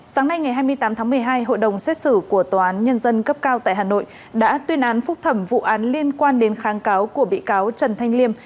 sáng nay ngày hai mươi tám tháng một mươi hai hội đồng xét xử của tòa án nhân dân cấp cao tại hà nội đã tuyên án phúc thẩm vụ án liên quan đến kháng cáo của bị cáo trần thanh liêm